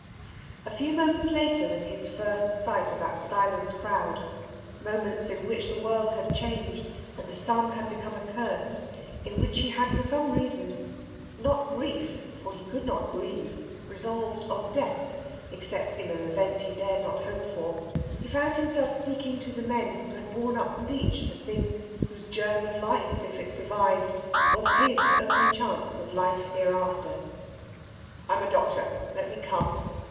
A few moments later than his first sight of that silent crowd moments in which the world had changed and the sun had become a curse; in which he had for some reason not grief, for he could not grieve resolved on death, except in an event he dared not hope for he found himself speaking to the men who had borne up the beach the thing whose germ of life, if it survived, was his only chance of life hereafter. "I am a doctor; let me come."